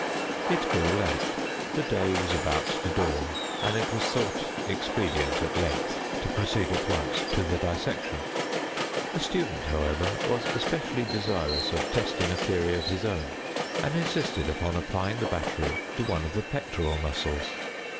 It grew late. The day was about to dawn; and it was thought expedient, at length, to proceed at once to the dissection. A student, however, was especially desirous of testing a theory of his own, and insisted upon applying the battery to one of the pectoral muscles.